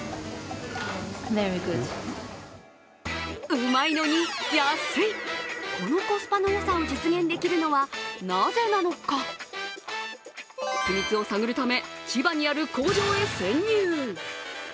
うまいのに安い、このコスパの良さを実現できるのはなぜなのか秘密を探るため、千葉にある工場へ潜入。